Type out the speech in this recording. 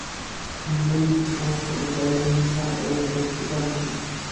Innymi współodpowiedzialnymi są europejskie banki